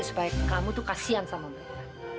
supaya kamu tuh kasian sama mereka